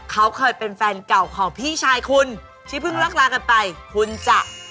เขาเคยเป็นแฟนเก่าของพี่ชายคุณที่เพิ่งเลิกลากันไปคุณจะ